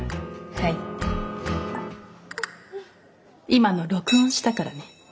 今の録音したからね。